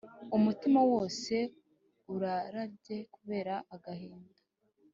umutima wose urarabye kubera agahinda